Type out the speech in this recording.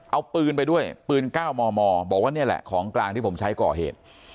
เอาปืนไปด้วยปืน๙มมบอกว่านี่แหละของกลางที่ผมใช้ก่อเหตุ